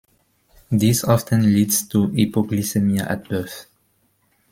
This often leads to hypoglycemia at birth.